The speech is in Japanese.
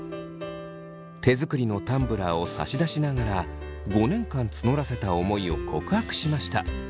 手作りのタンブラーを差し出しながら５年間募らせた思いを告白しました。